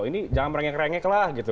ini jangan rengek rengek lah gitu